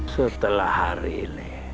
setelah hari ini